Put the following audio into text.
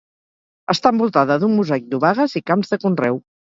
Està envoltada d'un mosaic d'obagues i camps de conreu.